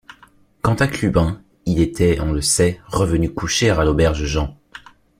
Quant à Clubin, il était, on le sait, revenu coucher à l’Auberge Jean.